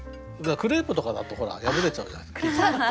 クレープとかだと破れちゃうじゃないですか。